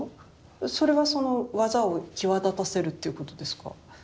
それはその技を際立たせるっていうことですか？